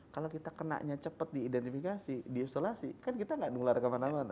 kalau kita kenanya cepat diidentifikasi diisolasi kan kita enggak ngelarang